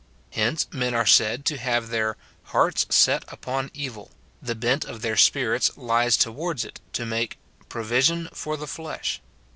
Hence, men are said to have their "hearts set upon evil," the bent of their spirits lies towards it, to make " provision for the flesh."